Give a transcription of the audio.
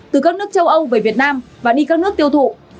từ các nước châu âu về việt nam và đi các nước tiêu thụ